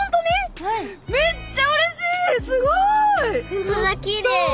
ほんとだきれい。